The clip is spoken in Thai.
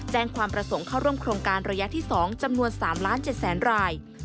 แจ้งความประสงค์เข้าร่วมโครงการระยะที่๒จำนวน๓๗๐๐ราย